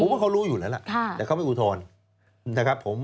ผมว่าเขารู้อยู่แล้วล่ะแต่เขาไม่อุทธรณ์